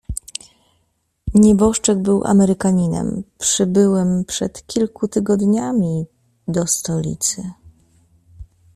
"Nieboszczyk był Amerykaninem, przybyłym przed kilku tygodniami do stolicy."